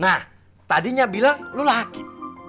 nah tadinya bilang lo laki